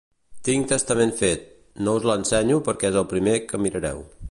Tinc testament fet, no us l'ensenyo perquè és el primer que mirareu